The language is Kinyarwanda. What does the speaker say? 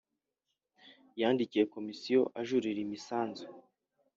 yandikiye Komisiyo ajuririra imisanzu